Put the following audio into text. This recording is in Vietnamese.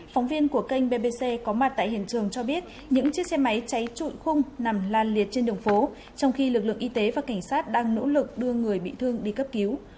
phóng viên của kênh bbc có mặt tại hiện trường cho biết những chiếc xe máy cháy trụi khung nằm lan liệt trên đường phố trong khi lực lượng y tế và cảnh sát đang nỗ lực đưa người bị thương đi cấp cứu